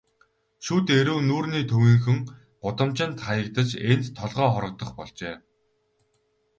Шүд эрүү нүүрний төвийнхөн гудамжинд хаягдаж, энд толгой хоргодох болжээ.